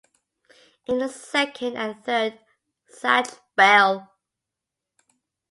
In the second and third Zatch Bell!